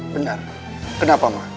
benar kenapa ma